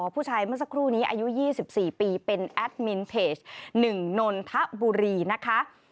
เมื่อสักครู่นี้อายุ๒๔ปีเป็นแอดมินเพจ๑นนทบุรีนะคะ